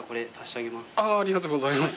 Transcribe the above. ありがとうございます。